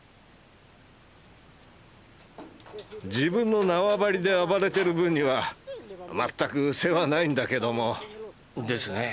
自分の縄張りで暴れてる分にはまったく世話ないんだけども。ですね。